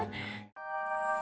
sampai jumpa lagi